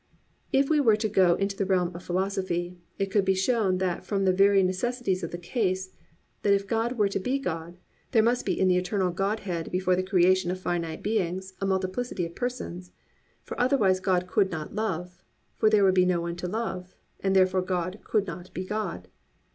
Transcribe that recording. If we were to go into the realm of philosophy, it could be shown that from the very necessities of the case, that if God were to be God, there must be in the eternal Godhead before the creation of finite beings a multiplicity of persons; for otherwise God could not love, for there would be no one to love, and therefore God could not be God.